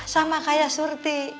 sama kaya surti